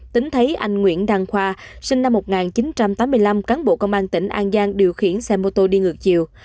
tính thấy anh nguyễn đăng khoa sinh năm một nghìn chín trăm tám mươi năm cán bộ công an tỉnh an giang điều khiển xe mô tô đi ngược chiều